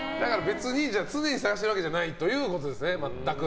常に探してるわけじゃないっていうことですね、全く。